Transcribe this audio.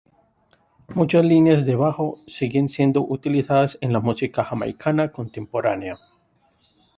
Muchas líneas de bajo siguen siendo utilizadas en la música jamaicana contemporánea.